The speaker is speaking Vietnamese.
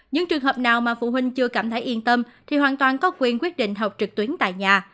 những trường hợp nào mà phụ huynh chưa cảm thấy yên tâm thì hoàn toàn có quyền quyết định học trực tuyến tại nhà